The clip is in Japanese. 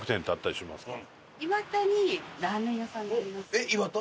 えっ岩田？